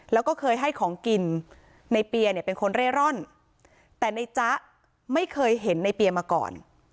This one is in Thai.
แล้วก็เคยให้ของกินในเปียเนี่ยเป็นคนเร่ร่อนแต่ในจ๊ะไม่เคยเห็นในเปียมาก่อน